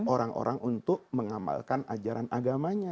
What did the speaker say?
orang orang untuk mengamalkan ajaran agamanya